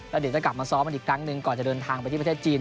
แล้วเดี๋ยวจะกลับมาซ้อมกันอีกครั้งหนึ่งก่อนจะเดินทางไปที่ประเทศจีน